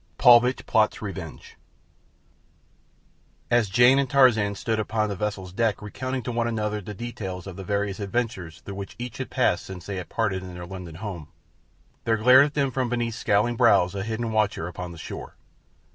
Paulvitch Plots Revenge As Jane and Tarzan stood upon the vessel's deck recounting to one another the details of the various adventures through which each had passed since they had parted in their London home, there glared at them from beneath scowling brows a hidden watcher upon the shore.